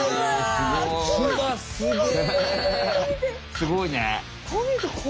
すごいね！